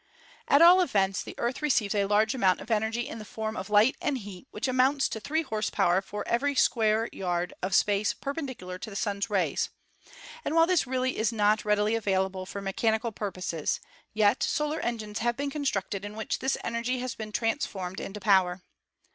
At all events, the Earth receives a large amount of energy in the form of light and heat which amounts to three horsepower for every square yard of space perpen dicular to the Sun's rays ; and while this really is not avail able for mechanical purposes, yet solar engines have been constructed in which this energy has been transformed into power.